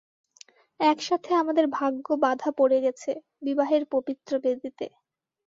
একসাথে আমাদের ভাগ্য বাধা পড়ে গেছে বিবাহের পবিত্র বেদিতে।